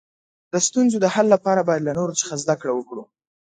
د ستونزو د حل لپاره باید له نورو څخه زده کړه وکړو.